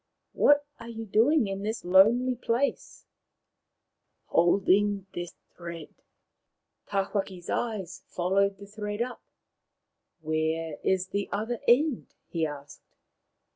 What are you doing in this lonely place ?" Holding this thread.' ' Tawhaki's eye followed the thread up. " Where is the other end ?" he asked.